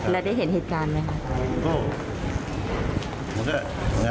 แล้วได้เห็นเหตุการณ์ไหมคะ